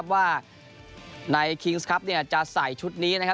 ว่าในคิงส์คับจะใส่ชุดนี้